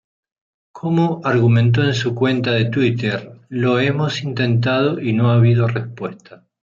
Como argumentó en su cuenta de Twitter: ""Lo hemos intentando, y no habido respuesta.